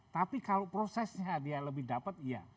tapi kalau prosesnya dia lebih dapat iya